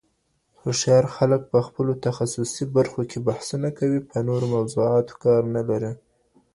هوښيار خلک پخپلو تخصصي برخو کي بحثونه کوي، په نورو موضوعاتو کار نلري